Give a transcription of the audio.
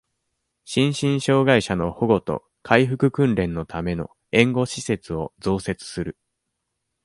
心身障害者の保護と、回復訓練のための、援護施設を増設する。